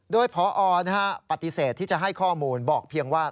โดยพอปฏิเสธที่จะให้ข้อมูลบอกเพียงว่า